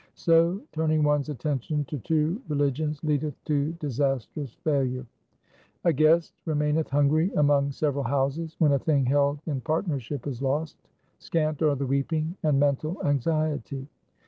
So turning one's attention to two religions leadeth to disastrous failure. 1 A guest remaineth hungry among several houses. When a thing held in partnership is lost, scant are the weeping and mental anxiety.